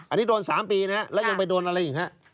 อันนี้โดน๓ปีนะแล้วยังไปโดนอะไรอีกฮะ